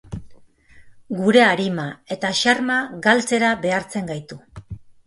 Gure arima eta xarma galtzera behartzen gaitu.